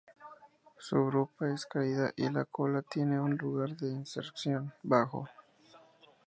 Su grupa es caída y la cola tiene un lugar de inserción bajo.